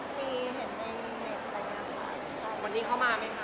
ก็มีเห็นในเม็ดใด